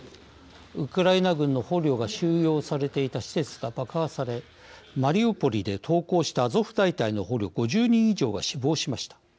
ウクライナ軍の捕虜が収容されていた施設が爆破されマリウポリで投降したアゾフ大隊の捕虜５０人以上が死亡しました。